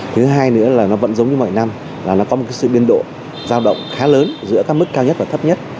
thứ hai nữa là nó vẫn giống như mọi năm là nó có một sự biên độ giao động khá lớn giữa các mức cao nhất và thấp nhất